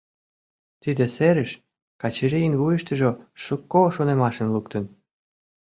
Тиде серыш Качырийын вуйыштыжо шуко шонымашым луктын.